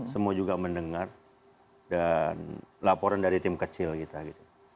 semua juga mendengar dan laporan dari tim kecil kita gitu